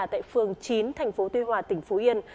tại phường chín thành phố tuy hòa tỉnh phú yên